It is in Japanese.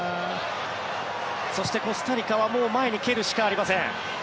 そしてコスタリカはもう前に蹴るしかありません。